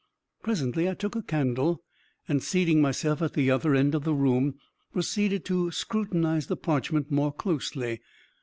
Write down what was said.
Presently I took a candle, and seating myself at the other end of the room, proceeded to scrutinize the parchment more closely.